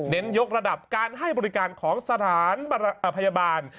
ยกระดับการให้บริการของสถานพยาบาล